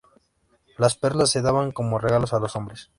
Las perlas se daban como regalos a los hombres.